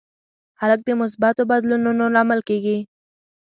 هلک د مثبتو بدلونونو لامل کېږي.